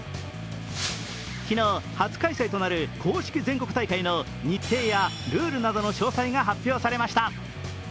昨日、初開催となる公式全国大会の日程やルールなどの詳細が発表されました。